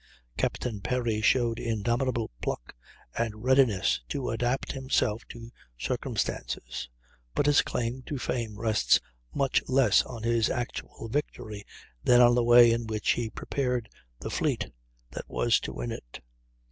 Captain Perry showed indomitable pluck, and readiness to adapt himself to circumstances; but his claim to fame rests much less on his actual victory than on the way in which he prepared the fleet that was to win it.